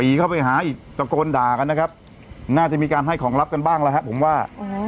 เข้าไปหาอีกตะโกนด่ากันนะครับน่าจะมีการให้ของลับกันบ้างแล้วฮะผมว่า